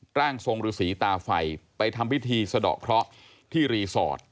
ร่างทรงฤษีตาไฟไปทำพิธีสะดอกเคราะห์ที่รีสอร์ท